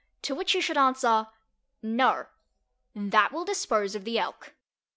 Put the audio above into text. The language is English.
to which you should answer "No." That will dispose of the Elk.